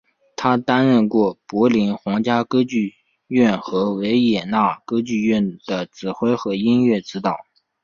他担任过柏林皇家歌剧院和维也纳歌剧院的指挥和音乐指导。